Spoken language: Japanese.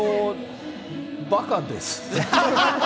バカです。